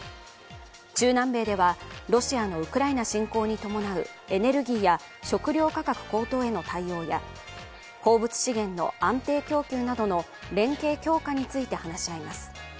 中南米では、ロシアのウクライナ侵攻に伴うエネルギーや食糧価格高騰への対応や鉱物資源の、安定供給などの連携強化について話し合います。